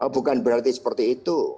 bukan berarti seperti itu